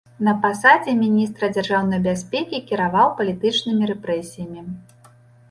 На пасадзе міністра дзяржаўнай бяспекі кіраваў палітычнымі рэпрэсіямі.